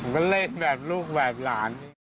ก็เล่นแบบลูกแบบหลาน